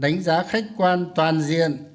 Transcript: đánh giá khách quan toàn diện